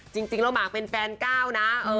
จริงแล้วหมากเป็นแฟนก้าวนะ